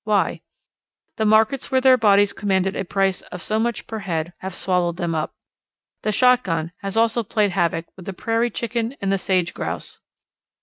Why? The markets where their bodies commanded a price of so much per head have swallowed them up. The shotgun has also played havoc with the Prairie Chicken and the Sage Grouse.